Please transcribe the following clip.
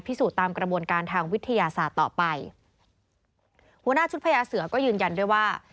สูจนตามกระบวนการทางวิทยาศาสตร์ต่อไปหัวหน้าชุดพญาเสือก็ยืนยันด้วยว่า